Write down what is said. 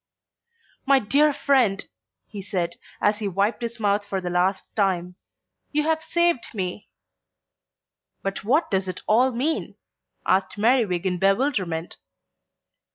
"My dear friend," he said, as he wiped his mouth for the last time, "you have saved me." "But what does it all mean?" asked Merriwig in bewilderment.